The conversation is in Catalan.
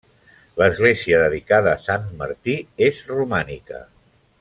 L'església dedicada a Sant Martí és romànica.